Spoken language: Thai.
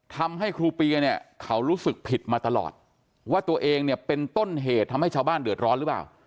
ทำให้ครูเปียเนี่ยเขารู้สึกผิดมาตลอดว่าตัวเองเนี่ยเป็นต้นเหตุทำให้ชาวบ้านเดือดร้อนหรือเปล่า